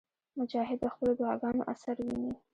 مجاهد د خپلو دعاګانو اثر ویني.